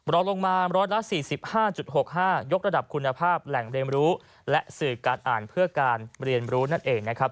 รอลงมาร้อยละสี่สิบห้าจุดหกห้ายกระดับคุณภาพแหล่งเรียนรู้และสื่อการอ่านเพื่อการเรียนรู้นั่นเองนะครับ